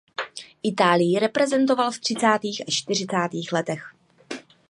Itálii reprezentoval v třicátých a čtyřicátých letech.